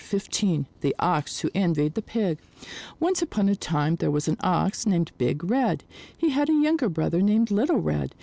73 XV THE OX WHO ENVIED THE PIG ONCE upon a time there was an Ox named Big Red. He had a younger brother named Little Red.